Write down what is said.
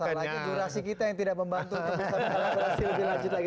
masalahnya jurasi kita yang tidak membantu untuk berhasil lebih lanjut lagi